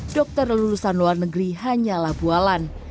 dokter lulusan luar negeri hanyalah bualan